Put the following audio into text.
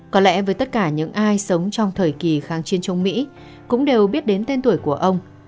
có lẽ với tất cả những ai sống trong thời kỳ kháng chiến chống mỹ cũng đều biết đến tên tuổi của ông